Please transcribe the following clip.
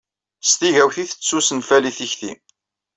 S tigawt i tettusenfali tikti.